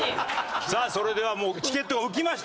さあそれではもうチケットが浮きました。